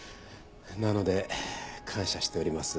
なので感謝しております。